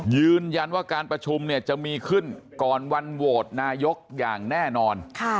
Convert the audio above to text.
ยืนยันว่าการประชุมเนี่ยจะมีขึ้นก่อนวันโหวตนายกอย่างแน่นอน